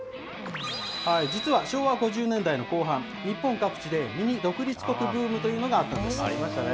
実は昭和５０年代の後半、日本各地でミニ独立国ブームというのがあったんです。